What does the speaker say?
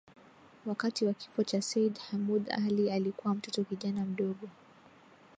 Wakati wa kifo cha Seyyid Hamoud Ali alikuwa mtoto kijana mdogo